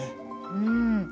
うん。